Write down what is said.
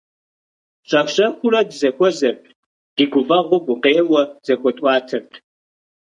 Щӏэх-щӏэхыурэ дызэхуэзэрт, ди гуфӀэгъуэ, гукъеуэ зэхуэтӀуатэрт.